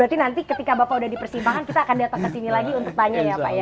berarti nanti ketika bapak udah di persimpangan kita akan datang ke sini lagi untuk tanya ya pak ya